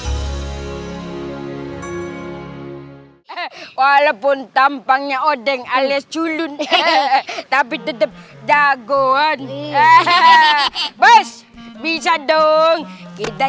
hai hai hai walaupun tampangnya odeng alias culun tapi tetep jagoan bos bisa dong kita